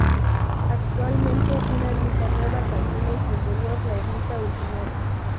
Actualmente, una ermita nueva contiene en su interior la ermita original.